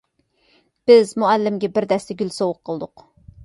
بىز مۇئەللىمگە بىر دەستە گۈل سوۋغا قىلدۇق.